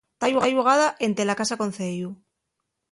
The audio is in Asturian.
Ta allugada énte la casa conceyu.